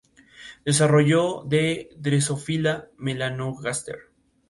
Desarrollo de Drosophila melanogaster